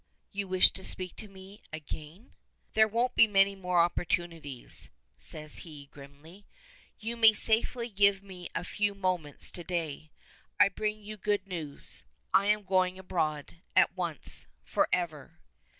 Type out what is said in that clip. "You, wish to speak to me again?" "There won't be many more opportunities," says he, grimly. "You may safely give me a few moments to day. I bring you good news. I am going abroad. At once. Forever."